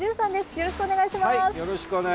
よろしくお願いします。